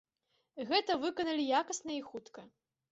Гэта выканалі якасна і хутка.